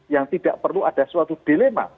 yang tidak perlu ada suatu dilema